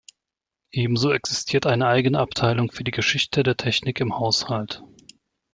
Ebenso existiert eine eigene Abteilung für die Geschichte der Technik im Haushalt.